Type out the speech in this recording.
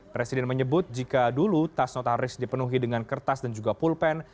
presiden menyebut jika dulu tas notaris dipenuhi dengan kertas dan juga pulpen